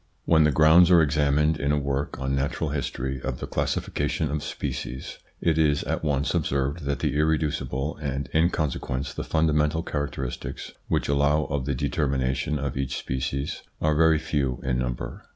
T ^7 HEN the grounds are examined, in a work on natural history, of the classification of species, it is at once observed that the irreducible, and in consequence the fundamental characteristics, which allow of the determination of each species, are very few in number.